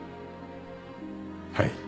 はい。